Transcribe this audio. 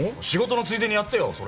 仕事のついでにやってよ。